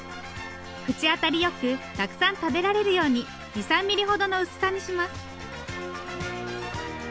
口当たり良くたくさん食べられるように２３ミリほどの薄さにします。